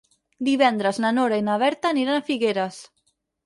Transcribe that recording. Divendres na Nora i na Berta aniran a Figueres.